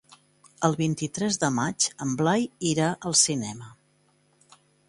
El vint-i-tres de maig en Blai irà al cinema.